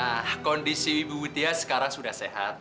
nah kondisi ibu mutia sekarang sudah sehat